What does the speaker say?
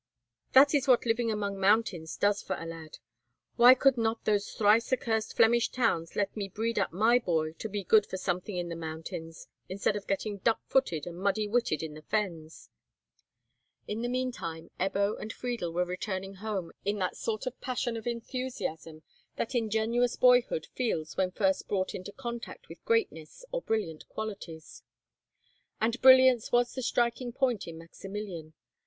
"That is what living among mountains does for a lad. Why could not those thrice accursed Flemish towns let me breed up my boy to be good for something in the mountains, instead of getting duck footed and muddy witted in the fens?" In the meantime Ebbo and Friedel were returning home in that sort of passion of enthusiasm that ingenuous boyhood feels when first brought into contact with greatness or brilliant qualities. And brilliance was the striking point in Maximilian.